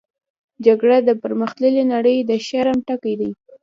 جګړه د پرمختللې نړۍ د شرم ټکی دی